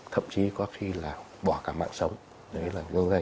thậm chí có khi là bỏ cả mạng sống